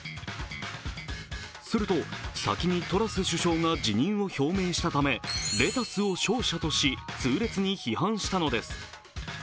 すると先にトラス首相が辞任を表明したためレタスを勝者とし、痛烈に批判したのです。